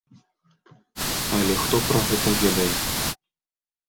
Але хто пра гэта ведае?